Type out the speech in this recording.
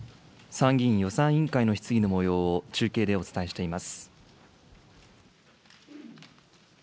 参議院予算委員会の質疑のもようを中継でお伝えしています。